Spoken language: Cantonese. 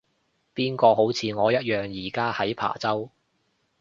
邊個好似我一樣而家喺琶洲